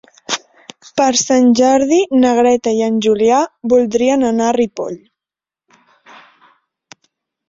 Per Sant Jordi na Greta i en Julià voldrien anar a Ripoll.